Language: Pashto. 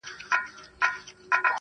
زېری د خزان یم له بهار سره مي نه لګي--!